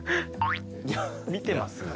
見てます？